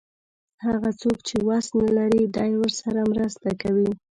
هغه څوک چې وس نه لري دی ورسره مرسته کوي.